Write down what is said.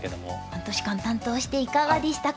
半年間担当していかがでしたか？